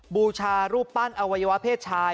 บูชารูปปั้นอวัยวะเพศชาย